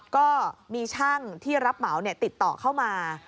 ก็มีช่างที่รับเหมาติดต่อเข้ามา